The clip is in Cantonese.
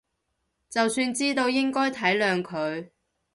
就算知道應該體諒佢